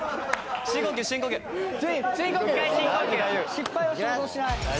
失敗は想像しない。